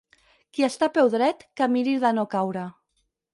Qui està peu dret, que miri de no caure.